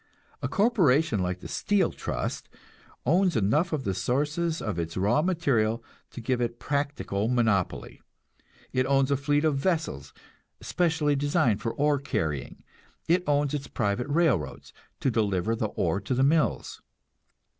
A corporation like the Steel Trust owns enough of the sources of its raw material to give it practical monopoly; it owns a fleet of vessels especially designed for ore carrying; it owns its private railroads, to deliver the ore to the mills.